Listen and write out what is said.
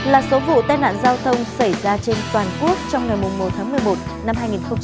bốn mươi một là số vụ tai nạn giao thông xảy ra trên toàn quốc trong ngày một tháng một mươi một năm hai nghìn một mươi bảy